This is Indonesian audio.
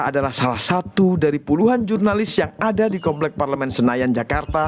adalah salah satu dari puluhan jurnalis yang ada di komplek parlemen senayan jakarta